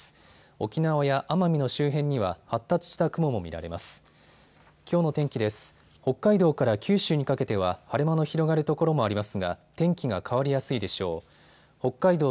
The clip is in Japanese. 沖縄や奄美の周辺には発達した雲も見られます。